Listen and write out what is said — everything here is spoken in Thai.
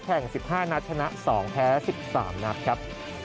แข่ง๑๕นัดชนะ๒แพ้๑๓นัดครับ